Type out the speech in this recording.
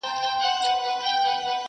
پرې ویده تېرېږي بله پېړۍ ورو ورو٫